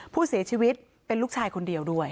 ผู้เสียชีวิตเป็นลูกชายคนเดียวด้วย